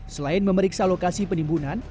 selain memeriksa lokasi penimbunan